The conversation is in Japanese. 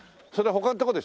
他のとこで。